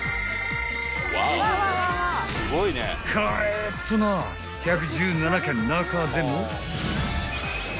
［カレーっとな１１７軒中でも］